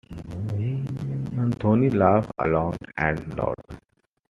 Anthony laughed long and loud.